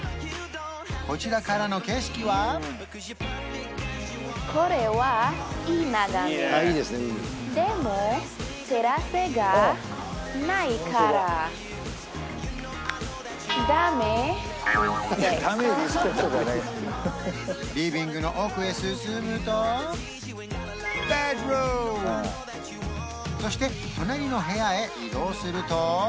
こちらからの景色はリビングの奥へ進むとそして隣の部屋へ移動すると